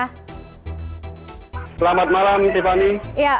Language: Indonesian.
selamat malam tiffany